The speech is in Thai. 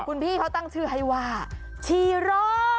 คุณพี่เขาตั้งชื่อให้ว่าชีโร่